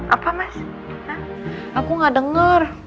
apa mas aku nggak dengar